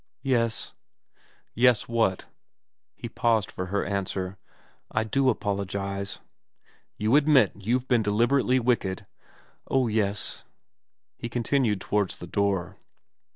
'Yes.' ' Yes what ?' He paused for her answer. ' I do apologise.' ' You admit you've been deliberately wicked ?' Oh yes/ He continued towards the door.